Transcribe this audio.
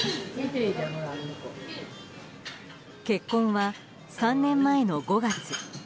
結婚は３年前の５月。